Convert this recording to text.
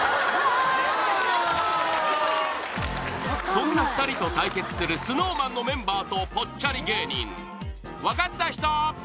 そんな２人と対決するＳｎｏｗＭａｎのメンバーとぽっちゃり芸人分かった人？